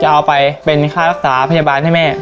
จะเอาไปเป็นรักษาเพื่อรักษาพยาบาทให้แม่